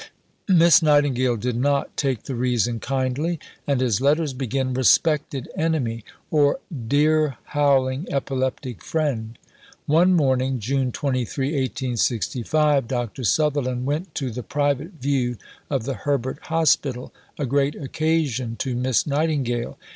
Miss Nightingale did not take the reason kindly, and his letters begin, "Respected Enemy" or "Dear howling epileptic Friend." One morning (June 23, 1865) Dr. Sutherland went to the private view of the Herbert Hospital a great occasion to Miss Nightingale.